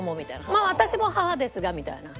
「まあ私も母ですが」みたいな。